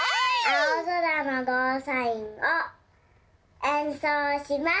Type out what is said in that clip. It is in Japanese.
「青空のゴーサイン」をえんそうします。